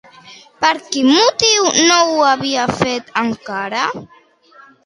Per quin motiu no ho havia fet encara?